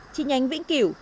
trên nhánh vĩnh kiểu